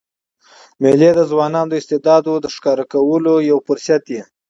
مېلې د ځوانانو د استعدادو ښکاره کولو یو فرصت يي.